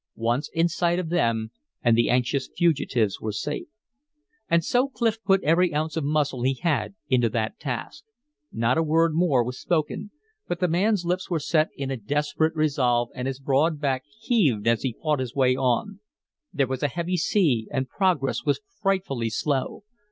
Once in sight of them and the anxious fugitives were safe. And so Clif put every ounce of muscle he had into that task. Not a word more was spoken; but the man's lips were set in a desperate resolve and his broad back heaved as he fought his way on. There was a heavy sea, and progress was frightfully slow.